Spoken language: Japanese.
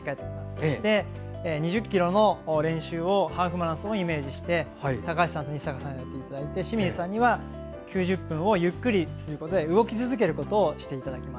そして、２０ｋｍの練習をハーフマラソンをイメージして高橋さん、日坂さんはやっていただいて清水さんには９０分をゆっくりすることで動き続けることをしていただきます。